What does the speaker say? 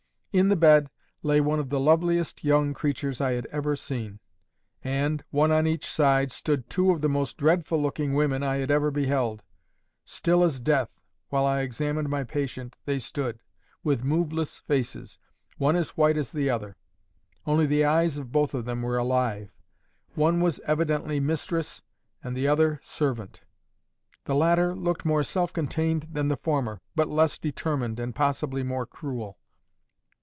In the bed lay one of the loveliest young creatures I had ever seen. And, one on each side, stood two of the most dreadful looking women I had ever beheld. Still as death, while I examined my patient, they stood, with moveless faces, one as white as the other. Only the eyes of both of them were alive. One was evidently mistress, and the other servant. The latter looked more self contained than the former, but less determined and possibly more cruel.